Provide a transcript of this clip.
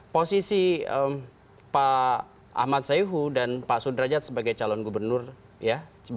posisi pak ahmad sayuhu dan pak sudrajat sebagai calon gubernur ya